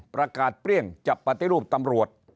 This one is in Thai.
ประกาศเปรี้ยงจับปฏิรูปตำรวจ